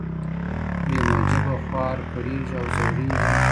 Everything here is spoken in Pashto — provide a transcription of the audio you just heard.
بې موجبه خوار کړېږې او زورېږي